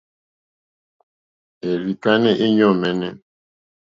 Èrzì kánɛ́ íɲɔ̂ mɛ́nɛ́.